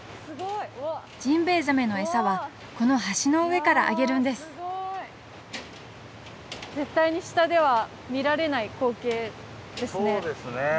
ジンベエザメの餌はこの橋の上からあげるんです絶対に下では見られない光景ですね。